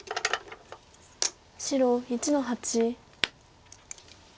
白１の八。